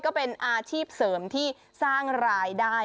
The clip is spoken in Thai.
ก็เป็นอาชีพเสริมที่สร้างรายได้